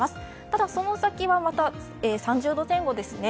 ただ、その先はまた３０度前後ですね。